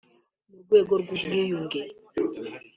mu rwego rw’ubwiyunge